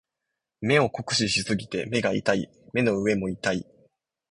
目を酷使しすぎて目が痛い。目の上も痛い。